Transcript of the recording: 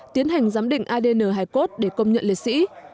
tỉnh adn hai cốt để công nhận liệt sĩ